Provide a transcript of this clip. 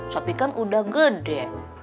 sopi kan udah gede